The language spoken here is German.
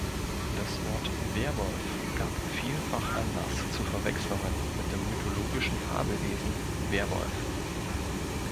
Das Wort "Wehrwolf" gab vielfach Anlass zu Verwechslungen mit dem mythologischen Fabelwesen Werwolf.